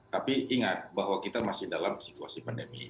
tapi ingat bahwa kita masih dalam situasi pandemi